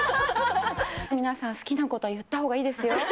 皆さん、好きなことは言ったほうがいいですよ。